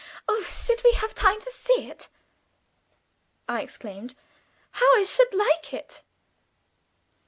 Oh, should we have time to see it?" I exclaimed. "How I should like it!"